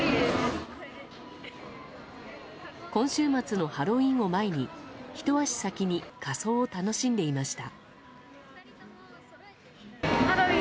今週末のハロウィーンを前にひと足先に仮装を楽しんでいました。